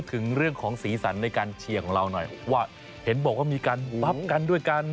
ถึงเรื่องของศีรษรรอ่ะเปิดกะปรากฏกันด้วยกัน